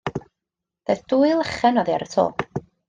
Daeth dwy lechen oddi ar y to.